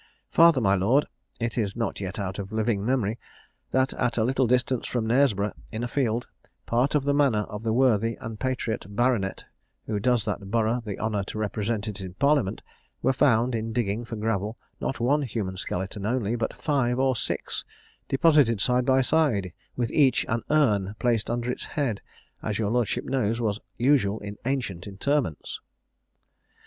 "Farther, my lord: it is not yet out of living memory that at a little distance from Knaresborough, in a field, part of the manor of the worthy and patriot baronet who does that borough the honour to represent it in parliament, were found, in digging for gravel, not one human skeleton only, but five or six, deposited side by side, with each an urn placed at its head, as your lordship knows was usual in ancient interments.